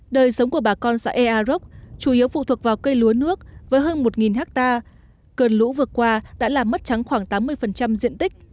đời sống của bà con xã ea rốc chủ yếu phụ thuộc vào cây lúa nước với hơn một ha cơn lũ vừa qua đã làm mất trắng khoảng tám mươi diện tích